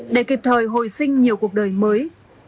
để kịp thời hồi sinh nhiều cuộc đời mới